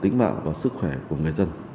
tính mạng và sức khỏe của người dân